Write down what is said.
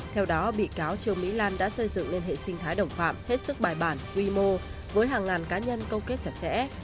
theo đó bị cáo trương mỹ lan đã xây dựng lên hệ sinh thái đồng phạm hết sức bài bản quy mô với hàng ngàn cá nhân câu kết chặt chẽ